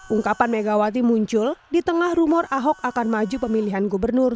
ungkapan megawati muncul di tengah rumor ahok akan maju pemilihan gubernur